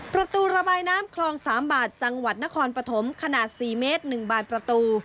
ประตูระบายน้ำคลอง๓บาทจังหวัดนครปฐมขนาด๔เมตร๑บานประตู